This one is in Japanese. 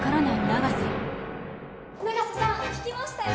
永瀬さん聞きましたよ。